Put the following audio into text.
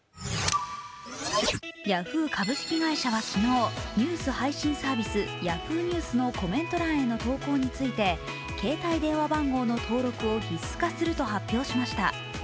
ヤフー株式会社は昨日、ニュース配信サービスＹａｈｏｏ！ニュースのコメント欄の投稿について、携帯電話番号の登録を必須化すると発表しました。